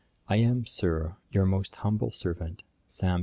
'I am, Sir, 'Your most humble servant, 'SAM.